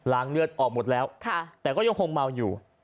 เลือดออกหมดแล้วแต่ก็ยังคงเมาอยู่